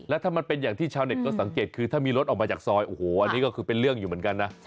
แล้วถ้ามันเป็นอย่างที่ชาวเน็ตก็สังเกตคือถ้ามีรถออกมาจากซอยโอ้โหอันนี้ก็คือเป็นเรื่องอยู่เหมือนกันนะ